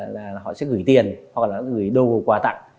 là họ sẽ gửi tiền hoặc là gửi đồ quà tặng